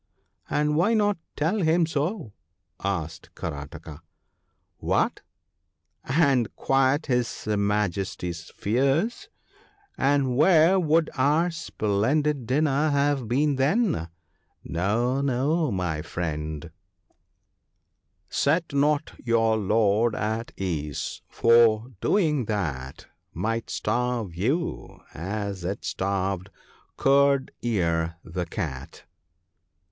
' And why not tell him so ?' asked Karataka. 4 What ! and quiet his Majesty's fears ! And where would our splendid dinner have been then ? No, no, my friend, — THE PARTING OF FRIENDS. 67 " Set not your lord at ease ; for, doing that, Might starve you as it starved ' Curd ear ' the Cat."